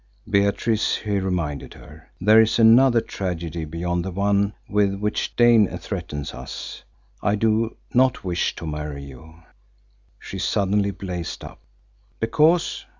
"Beatrice," he reminded her, "there is another tragedy beyond the one with which Dane threatens us. I do not wish to marry you." She suddenly blazed up. "Because